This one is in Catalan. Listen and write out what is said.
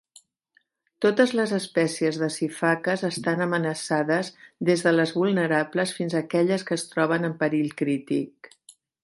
Totes les espècies de sifaques estan amenaçades, des de les vulnerables fins a aquelles que es troben en perill crític.